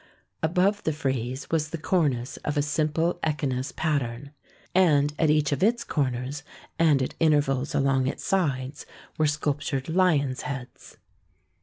Above the frieze was the cornice of a simple echinus pat tern, and at each of its corners, and at intervals along its sides, were sculptured lions' heads.